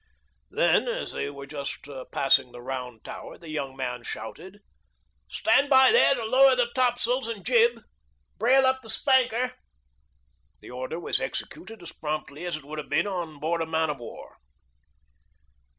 Then, as they were just passing the Round Tower, the young man shouted: "Stand by there to lower the topsails and jib; brail up the spanker!" The order was executed as promptly as it would have been on board a man of war.